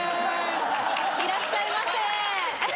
いらっしゃいませ。